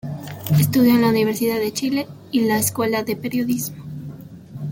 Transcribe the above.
Estudió en la Universidad de Chile y la Escuela de Periodismo.